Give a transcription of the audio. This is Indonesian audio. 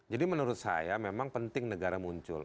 jadi menurut saya memang penting negara muncul